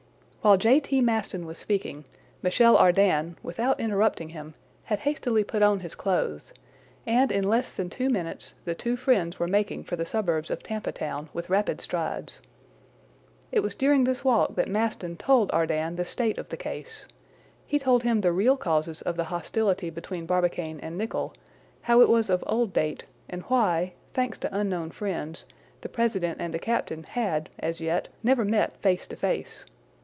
While J. T. Maston was speaking, Michel Ardan, without interrupting him, had hastily put on his clothes; and, in less than two minutes, the two friends were making for the suburbs of Tampa Town with rapid strides. It was during this walk that Maston told Ardan the state of the case. He told him the real causes of the hostility between Barbicane and Nicholl; how it was of old date, and why, thanks to unknown friends, the president and the captain had, as yet, never met face to face.